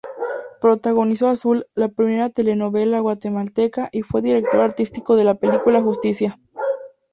Protagonizó "Azul", la primera telenovela guatemalteca y fue director artístico de la película "Justicia".